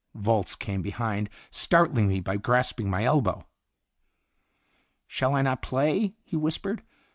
Volz came behind, startling me by grasping my elbow. "Shall I not play?" he whispered.